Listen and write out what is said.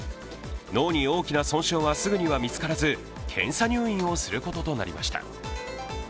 脳に大きな損傷はすぐには見つからず検査入院をすることとなりました。